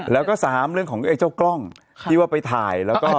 แล้วก็๓เรื่องของไอ้เจ้ากล้องที่ว่าไปถ่ายแล้วก็